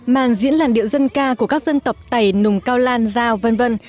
màn diễn làn điệu dân ca của các dân tộc tày nùng cao lan giao v v